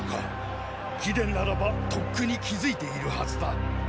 貴殿ならばとっくに気付いているはずだ。